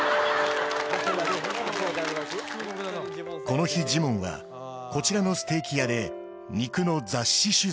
この日ジモンはこちらのステーキ屋で肉の雑誌取材